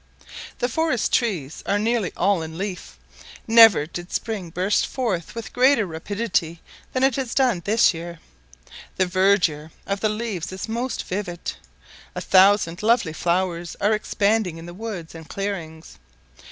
The forest trees are nearly all in leaf. Never did spring burst forth with greater rapidity than it has done this year. The verdure of the leaves is most vivid. A thousand lovely flowers are expanding in the woods and clearings.